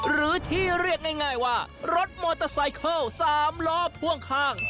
หรือที่เรียกง่ายว่ารถมอเตอร์ไซเคิล๓ล้อพ่วงข้าง